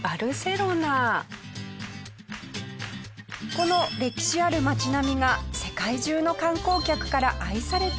この歴史ある街並みが世界中の観光客から愛されているのですが。